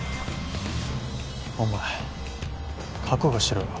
お前覚悟しろよ。